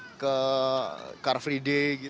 jalan jauh kayak misal ke car free day gitu